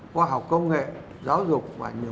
khoa học công nghệ giáo dục